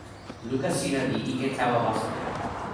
luka sina li ike tawa waso ni.